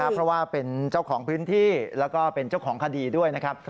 เพราะว่าเป็นเจ้าของพื้นที่แล้วก็เป็นเจ้าของคดีด้วยนะครับ